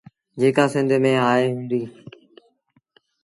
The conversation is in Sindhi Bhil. جيڪآ سنڌ ميݩ آئيٚ هُݩدي۔